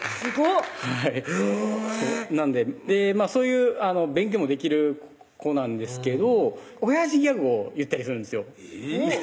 なんでそういう勉強もできる子なんですけどオヤジギャグを言ったりするんですよ